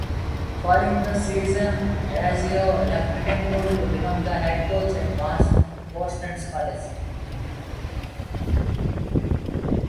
Following the season, Addazio left Temple to become the head coach at Boston College.